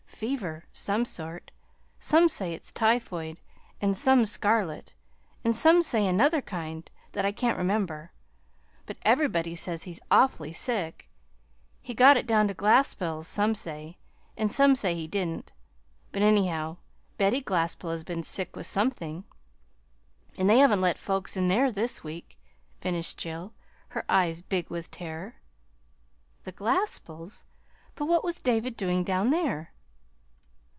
"Fever some sort. Some say it's typhoid, and some scarlet, and some say another kind that I can't remember; but everybody says he's awfully sick. He got it down to Glaspell's, some say, and some say he didn't. But, anyhow, Betty Glaspell has been sick with something, and they haven't let folks in there this week," finished Jill, her eyes big with terror. "The Glaspells? But what was David doing down there?"